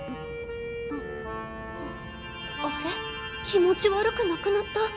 気持ち悪くなくなった。